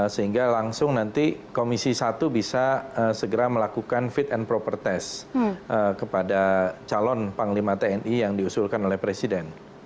sehingga langsung nanti komisi satu bisa segera melakukan fit and proper test kepada calon panglima tni yang diusulkan oleh presiden